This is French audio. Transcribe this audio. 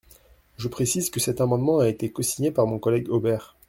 Je précise que cet amendement a été cosigné par mon collègue Aubert.